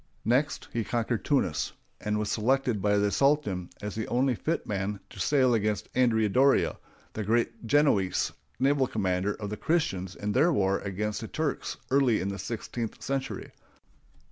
Next he conquered Tunis, and was selected by the sultan as the only fit man to sail against Andrea Doria, the great Genoese naval commander of the Christians in their wars against the Turks early in the sixteenth century.